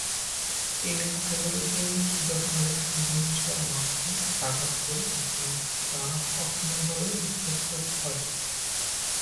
এই এলাকাগুলোতে যখন ইলেকট্রন বিম ছায়া মাস্কে আঘাত করে তখন তা অসমভাবে উত্তপ্ত হয়।